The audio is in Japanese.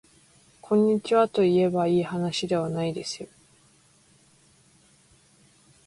こんにちはといえばいいはなしではないですよ